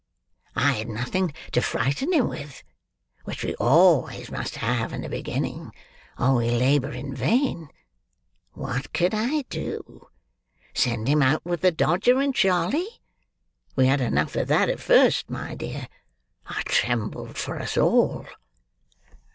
I had nothing to frighten him with; which we always must have in the beginning, or we labour in vain. What could I do? Send him out with the Dodger and Charley? We had enough of that, at first, my dear; I trembled for us all."